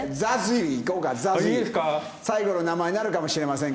最後の名前になるかもしれませんからね。